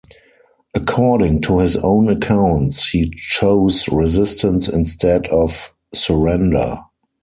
According to his own accounts, he chose resistance instead of surrender.